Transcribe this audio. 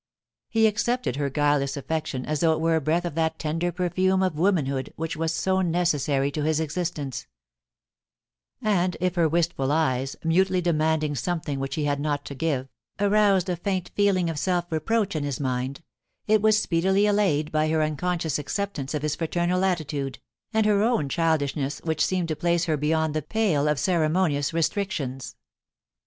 He accepted her guileless affection as though it were a breath of that tender perfume of womanhood which was so necessary to his existence ; and if her wistful eyes, mutely demanding something which he had not to give, aroused a faint feeling of self reproach in his mind, it was speedily allayed by her unconscious acceptance of his fraternal attitude, and her own childishness which seemed to place her beyond the pale of ceremonious restrictions.